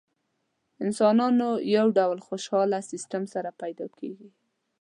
انسانانو یوه ډله خوشاله سیستم سره پیدا کېږي.